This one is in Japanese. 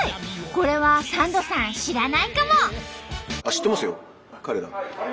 これはサンドさん知らないかも！